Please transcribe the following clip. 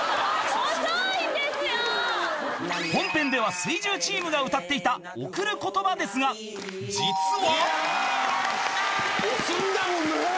［本編では木１０チームが歌っていた『贈る言葉』ですが実は］